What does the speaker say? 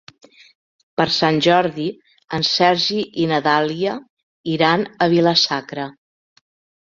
Per Sant Jordi en Sergi i na Dàlia iran a Vila-sacra.